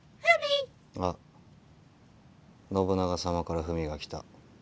あっ信長様からＦＵＭＩが来た。